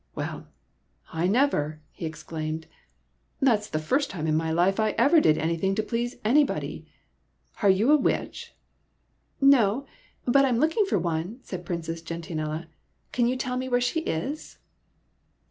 " Well, I never !" he exclaimed. " That 's the first time in my life I ever did anything to please anybody. Are you a witch ?"" No, but I am looking for one," said Prin cess Gentianella. " Can you tell me where she is?"